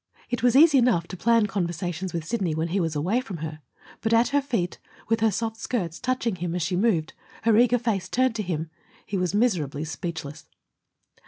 It was easy enough to plan conversations with Sidney when he was away from her. But, at her feet, with her soft skirts touching him as she moved, her eager face turned to him, he was miserably speechless.